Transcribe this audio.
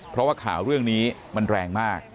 เพราะว่าข่าวเรื่องนี้มันแรงมาก